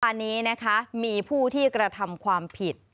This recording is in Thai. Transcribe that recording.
อันนี้นะคะมีผู้ที่กระทำความผิด